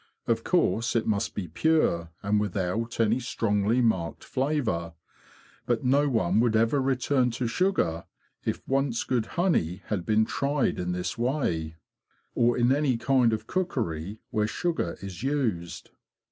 Of course, it must be pure, and without any strongly marked flavour; but no one would ever return to sugar if once good honey had been tried in this way, or in any kind of cookery where sugar is used."